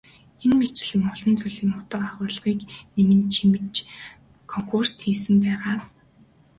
Энэ мэтчилэн олон зүйлийн утга агуулгыг нэмэн чимж консрукт хийсэн байгаа.